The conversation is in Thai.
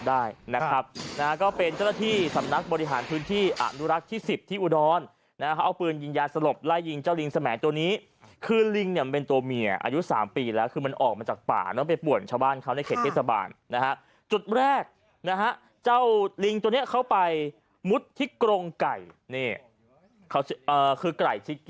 มันถึงแล้วมันถึงแล้วมันถึงแล้วมันถึงแล้วมันถึงแล้วมันถึงแล้วมันถึงแล้วมันถึงแล้วมันถึงแล้วมันถึงแล้วมันถึงแล้วมันถึงแล้วมันถึงแล้วมันถึงแล้วมันถึงแล้วมันถึงแล้วมันถึงแล้วมันถึงแล้วมันถึงแล้วมันถึงแล้วมันถึงแล้วมันถึงแล้วมันถึงแล้วมันถึงแล้วมันถึ